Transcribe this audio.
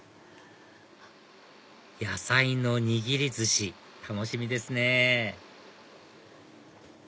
野菜のにぎりずし楽しみですね